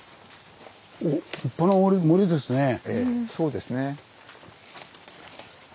ええそうですね。